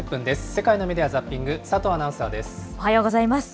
世界のメディア・ザッピング、おはようございます。